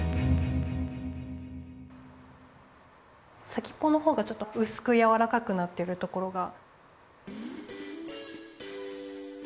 先っぽのほうがちょっとうすくやわらかくなってるところが。